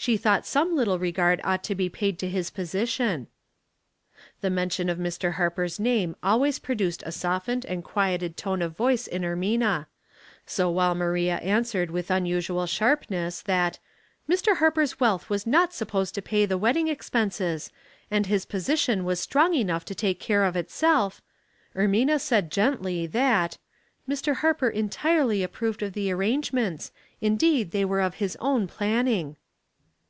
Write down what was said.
She thought some little regard ought to be paid to his posi tion." The mention of Mr. Harper's name always produced a softened and quieted tone of voice in Ermina, so while Maria answered with unusual sharpness that " Mr. Harper's wealth was not supposed to pay the wedding expenses, and his position was strong enough to take care of itself," Ermina said, gently, tliat " Mr. Harper entirely approved of the arrangements; indeed they were of his own planning."